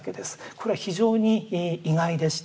これは非常に意外でした。